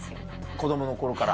子供の頃から。